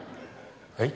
はい？